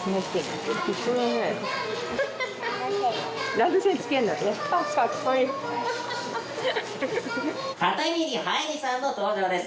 ランドセル片桐はいりさんの登場です